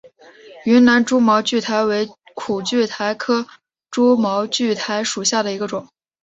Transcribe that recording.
云南蛛毛苣苔为苦苣苔科蛛毛苣苔属下的一个种。